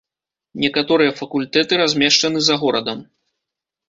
Некаторыя факультэты размешчаны за горадам.